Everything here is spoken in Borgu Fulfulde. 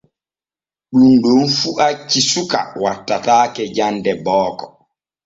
Ɗun ɗon fu acci suka wattataake jande booko.